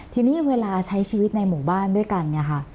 ทีนี้เวลาใช้ชีวิตในหมู่บ้านด้วยกันเนี่ยค่ะ